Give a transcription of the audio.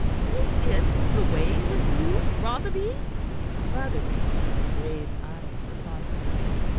Is it to weigh with you, Rotherby?" Rotherby turned grave eyes upon her.